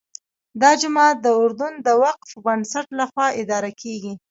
دا جومات د اردن د وقف بنسټ لخوا اداره کېږي.